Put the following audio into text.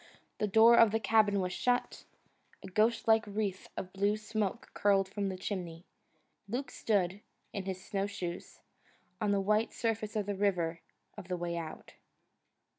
The door of the cabin was shut; a ghostlike wreath of blue smoke curled from the chimney. Luke stood, in his snowshoes, on the white surface of the River of the Way Out.